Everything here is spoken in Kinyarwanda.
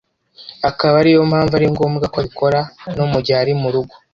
akaba ari yo mpamvu ari ngombwa ko abikora no mu gihe ari mu rugo.